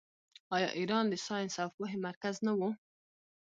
آیا ایران د ساینس او پوهې مرکز نه و؟